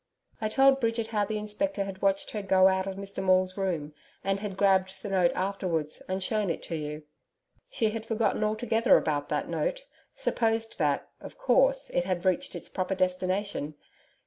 I told Bridget how the Inspector had watched her go out of Mr Maule's room, and had grabbed the note afterwards, and shown it to you. She had forgotten altogether about that note supposed that, of course, it had reached its proper destination.